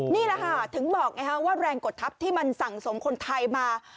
นี่แหละค่ะถึงบอกไงฮะว่าแรงกดทัพที่มันสั่งสมคนไทยมา